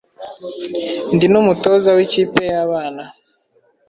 ndi n’umutoza wikipe yabana